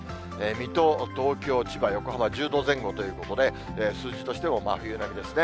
水戸、東京、千葉、横浜は１０度前後ということで、数字としても、真冬並みですね。